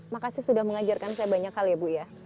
makasih sudah mengajarkan saya banyak hal ya bu ya